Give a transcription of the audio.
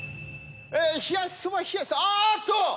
あーっと。